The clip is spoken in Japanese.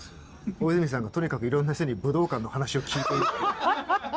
大泉さんがとにかくいろんな人に武道館の話を聞いている。